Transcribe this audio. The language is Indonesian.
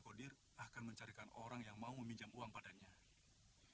kodir akan mencari kandungan saya dan saya akan mencari kandungan saya dan saya akan mencari kandungan